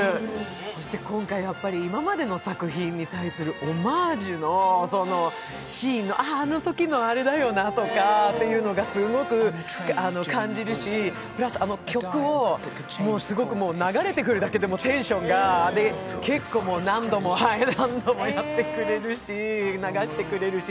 そして今回、今までの作品に対するオマージュのシーン、ああ、あのときのあれだよなとかいうのが、すごく感じるし、プラス、曲を、流れてくるだけでももうテンションが、何度も何度も流してくれるし。